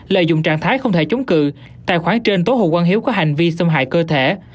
lợi dụng trạng thái không thể chống cự tài khoản trên tố hồ quang hiếu có hành vi xâm hại cơ thể